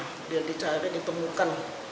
kemudian dia mencari ditemukan